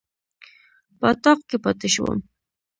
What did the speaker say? په اطاق کې پاتې شوم.